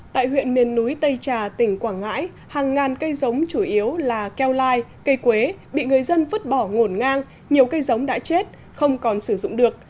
tại huyện miền núi tây trà tỉnh quảng ngãi hàng ngàn cây giống chủ yếu là keo lai cây quế bị người dân vứt bỏ ngổn ngang nhiều cây giống đã chết không còn sử dụng được